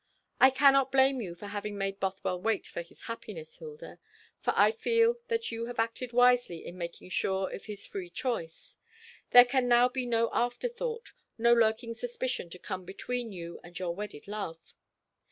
I cannot blame you for having made Bothwell wait for his happiness, Hilda; for I feel that you have acted wisely in making sure of his free choice. There can now be no after thought, no lurking suspicion to come between you and your wedded love.